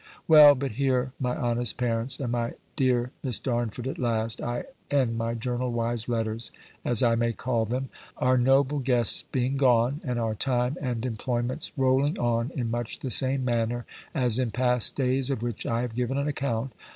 Well, but here, my honest parents, and my dear Miss Darnford, at last, I end my journal wise letters, as I may call them; our noble guests being gone, and our time and employments rolling on in much the same manner, as in past days, of which I have given an account.